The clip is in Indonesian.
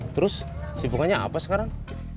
terus sibukannya apa sekarang